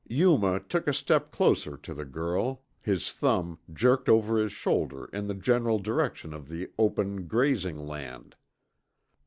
Yuma took a step closer to the girl, his thumb jerked over his shoulder in the general direction of the open grazing land.